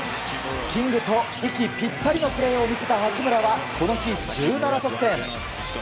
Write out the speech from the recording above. キングと息ぴったりのプレーを見せた八村はこの日、１７得点。